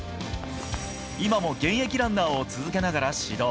今も現役ランナーを続けながら指導。